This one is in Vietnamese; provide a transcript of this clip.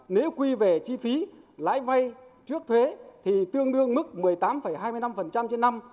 nếu quy về chi phí lãi vay trước thuế thì tương đương mức một mươi tám hai mươi năm trên năm